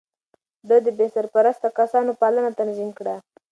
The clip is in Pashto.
ده د بې سرپرسته کسانو پالنه تنظيم کړه.